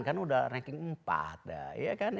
kan udah ranking empat dah ya kan